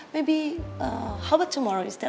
mungkin apa kata besok